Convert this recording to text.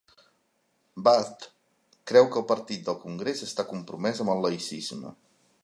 Bhatt creu que el partit del Congrés està compromès amb el laïcisme.